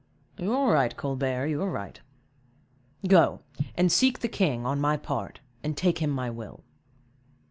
"You are right, Colbert, you are right; go, and seek the king, on my part, and take him my will."